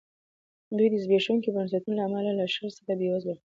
دوی د زبېښونکو بنسټونو له امله له شل څخه بېوزله وو.